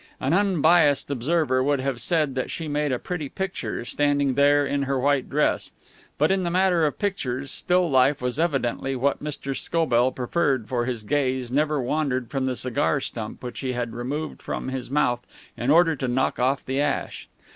An unbiased observer would have said that she made a pretty picture, standing there, in her white dress, but in the matter of pictures, still life was evidently what Mr. Scobell preferred for his gaze never wandered from the cigar stump which he had removed from his mouth in order to knock off the ash.